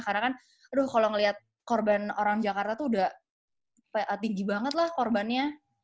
karena kan aduh kalau ngeliat korban orang jakarta tuh udah tinggi banget lah korbannya